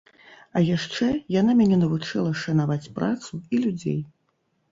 А яшчэ яна мяне навучыла шанаваць працу і людзей.